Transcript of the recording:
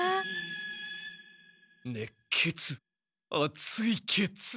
ねっけつあついケツ。